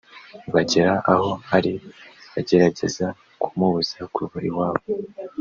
bagera aho ari bagerageza kumubuza kuva iwabo